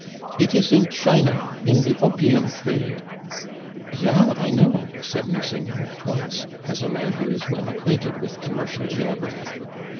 "It is in China, in the opium trade " "Ja, I know," said Nucingen at once, as a man who is well acquainted with commercial geography.